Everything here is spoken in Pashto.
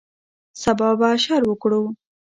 سبا به اشر وکړو